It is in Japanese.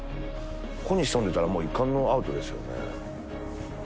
ここに潜んでたら一巻のアウトですよね。